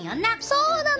そうなの！